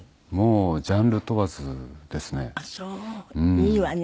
いいわね。